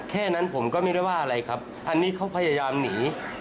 แค่นั้นผมก็ไม่ได้ว่าอะไรครับอันนี้เขาพยายามหนี